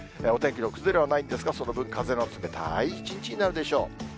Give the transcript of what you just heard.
お天気の崩れはないんですが、その分、風の冷たい一日になるでしょう。